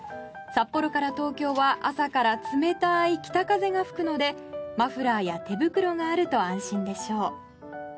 札幌から東京は朝から冷たい北風が吹くのでマフラーや手袋があると安心でしょう。